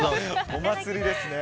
お祭りですね。